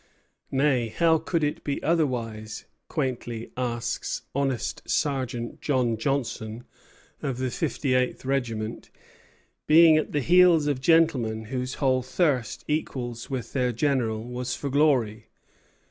"Nay, how could it be otherwise," quaintly asks honest Sergeant John Johnson, of the fifty eighth regiment, "being at the heels of gentlemen whose whole thirst, equal with their general, was for glory?